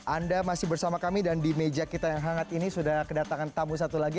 anda masih bersama kami dan di meja kita yang hangat ini sudah kedatangan tamu satu lagi